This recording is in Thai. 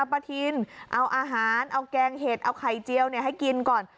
ประทินเอาอาหารเอาแกงเห็ดเอาไข่เจียวให้กินก่อน